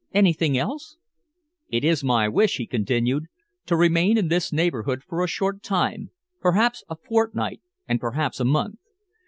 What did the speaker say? "Anything else?" "It is my wish," he continued, "to remain in this neighbourhood for a short time perhaps a fortnight and perhaps a month.